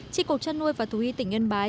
trị cột chăn nuôi và thú y tỉnh yên bái